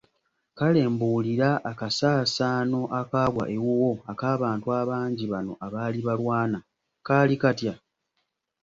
Kale mbuulira akasaasaano akaagwa ewuwo ak’abantu abangi bano abaali balwana; kaali katya?